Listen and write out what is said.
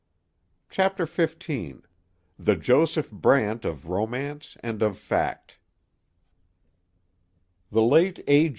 Chapter XV The Joseph Brant of Romance and of Fact THE late A.